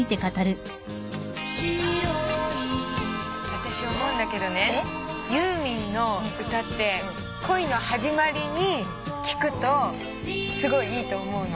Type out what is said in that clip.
私思うんだけどねユーミンの歌って恋の始まりに聞くとすごいいいと思うの。